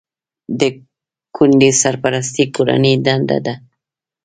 د کونډې سرپرستي د کورنۍ دنده ده.